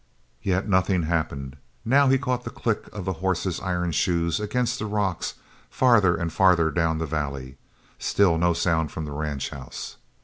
Yet nothing happened. Now he caught the click of the horses' iron shoes against the rocks farther and farther down the valley. Still no sound from the ranch house.